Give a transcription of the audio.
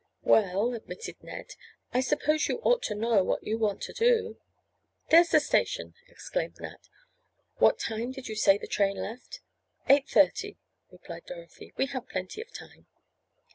"Well," admitted Ned. "I suppose you ought to know what you want to do." "There's the station," exclaimed Nat. "What time did you say the train left?" "Eight thirty," replied Dorothy. "We have plenty of time."